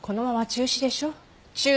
中止？